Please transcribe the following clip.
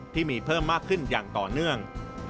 ที่มีเพิ่มมากขึ้นอย่างต่อเนื่อง